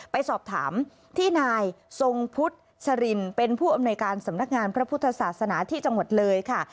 ไปสอบถามที่นายทรงพุทธสรินเป็นผู้อำนวยการสำนักงานพระพุทธศาสนาที่จังหวัดเลยค่ะ